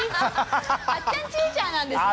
あっちゃんチーちゃんなんですね。